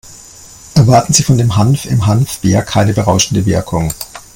Erwarten Sie von dem Hanf im Hanfbier keine berauschende Wirkung.